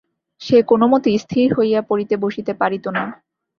সে কোনোমতেই স্থির হইয়া পড়িতে বসিতে পারিত না।